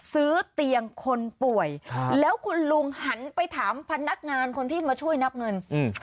ซื้อเตียงคนป่วยแล้วคุณลุงหันไปถามพนักงานคนที่มาช่วยนับเงินอืม